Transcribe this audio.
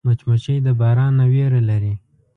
مچمچۍ د باران نه ویره لري